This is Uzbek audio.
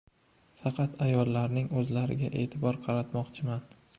faqat ayollarning o‘zlariga e’tibor qaratmoqchiman